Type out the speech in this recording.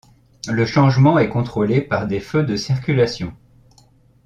Le changement est contrôlé par des feux de circulation.